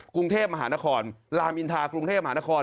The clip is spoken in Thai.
กรุงเทพมหานครลามอินทากรุงเทพมหานคร